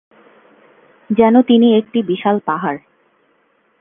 যেন তিনি একটি বিশাল পাহাড়।